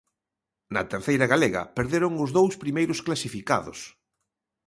Na Terceira galega perderon os dous primeiros clasificados.